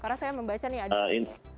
karena saya membaca nih ada